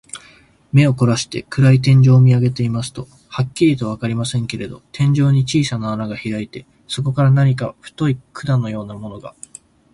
目をこらして、暗い天井を見あげていますと、はっきりとはわかりませんけれど、天井に小さな穴がひらいて、そこから何か太い管のようなものが、